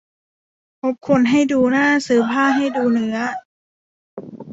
คบคนให้ดูหน้าซื้อผ้าให้ดูเนื้อ